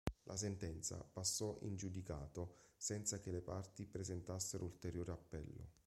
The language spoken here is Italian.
La sentenza passò in giudicato senza che le parti presentassero ulteriore appello.